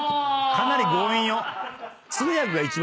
かなり強引よ。